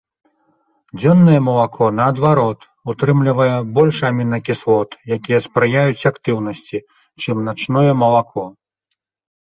Дзённае малако, наадварот, утрымлівае больш амінакіслот, якія спрыяюць актыўнасці, чым начное малако.